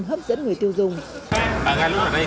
hấp dẫn người tiêu dùng